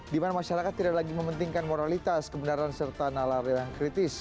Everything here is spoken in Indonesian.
dimana masyarakat tidak lagi mementingkan moralitas kebenaran serta nalari yang kritis